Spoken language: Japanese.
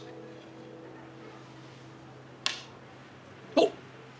おっ！